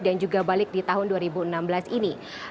juga balik di tahun dua ribu enam belas ini